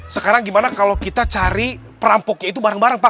sekarang gimana kalau kita cari perampoknya itu bareng bareng pak